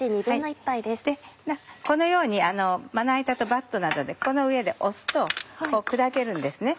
このようにまな板とバットなどでこの上で押すと砕けるんです。